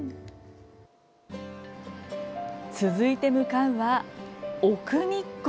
続いて向かうは、奥日光。